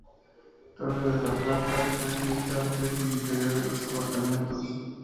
Torre de la Plata, tres vistas desde el interior de los aparcamientos.